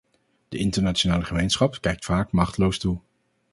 De internationale gemeenschap kijkt vaak machteloos toe.